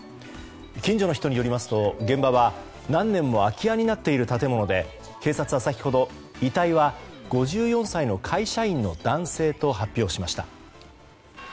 近所の人によりますと現場は、何年も空き家になっている建物で警察は先ほど遺体は５４歳の会社員の男性と発表しました。